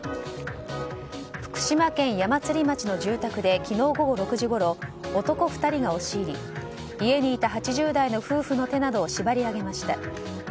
福島県矢祭町の住宅で昨日午後６時ごろ男２人が押し入り家にいた８０代の夫婦の手などを縛り上げました。